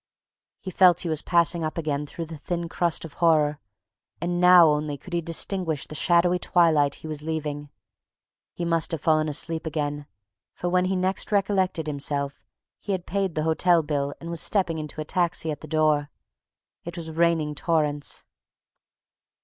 He felt he was passing up again through the thin crust of horror, and now only could he distinguish the shadowy twilight he was leaving. He must have fallen asleep again, for when he next recollected himself he had paid the hotel bill and was stepping into a taxi at the door. It was raining torrents.